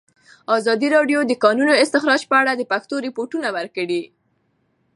ازادي راډیو د د کانونو استخراج په اړه د پېښو رپوټونه ورکړي.